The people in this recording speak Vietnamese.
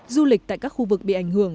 du lịch tại các khu vực bị ảnh hưởng